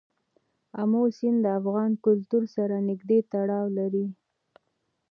آمو سیند د افغان کلتور سره نږدې تړاو لري.